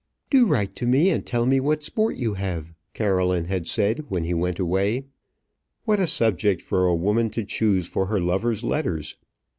"Do write to me, and tell me what sport you have," Caroline had said when he went away. What a subject for a woman to choose for her lover's letters!